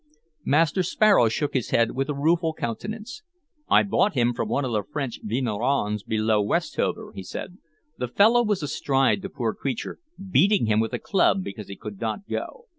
Master Sparrow shook his head, with a rueful countenance. "I bought him from one of the French vignerons below Westover," he said. "The fellow was astride the poor creature, beating him with a club because he could not go.